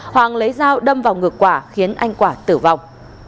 hoàng lấy dao đâm vào ngược quả khiến anh quả tử vong